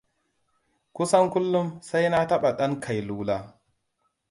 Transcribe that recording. Kusan kullum sai na taɓa ɗan ƙailula.